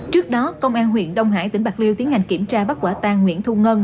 trước đó công an huyện đông hải tỉnh bạc liêu tiến hành kiểm tra bắt quả tang nguyễn thu ngân